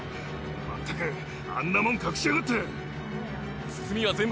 まったくあんなもん隠しやがって。